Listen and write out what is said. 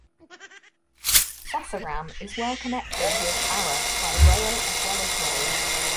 Sasaram is well connected with Ara by rail as well as road.